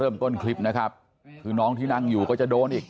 คลิปนะครับคือน้องที่นั่งอยู่ก็จะโดนอีก